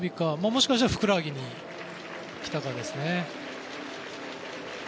もしかしたらふくらはぎにきたかですね。